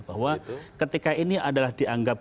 bahwa ketika ini adalah dianggap